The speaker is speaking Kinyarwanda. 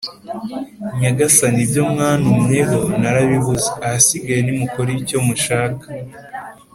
Nyagasani ibyo mwantumyeho narabibuze, ahasigaye nimukore icyo mushaka.